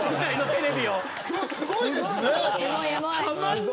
今日すごいですね。